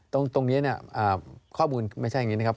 ตรงนี้เนี่ยข้อมูลไม่ใช่อย่างนี้นะครับ